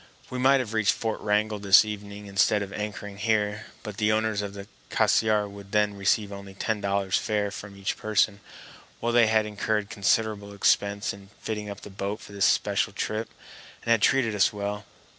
We might have reached Fort Wrangell this evening instead of anchoring here; but the owners of the Cassiar would then receive only ten dollars fare from each person, while they had incurred considerable expense in fitting up the boat for this special trip, and had treated us well.